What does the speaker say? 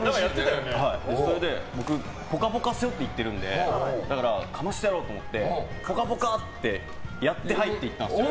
それで僕、「ぽかぽか」背負って行ってるのでだから、かましてやろうと思って「ぽかぽか」！ってやって入っていったんですよ。